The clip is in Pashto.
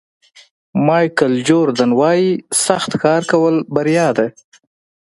مایکل جوردن وایي سخت کار کول بریا ده.